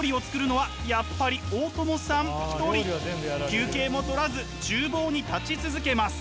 休憩も取らず厨房に立ち続けます。